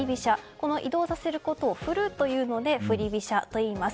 この移動させることを振るというので振り飛車といいます。